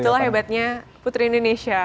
itulah hebatnya putri indonesia